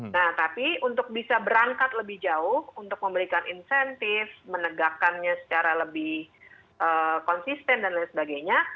nah tapi untuk bisa berangkat lebih jauh untuk memberikan insentif menegakkannya secara lebih konsisten dan lain sebagainya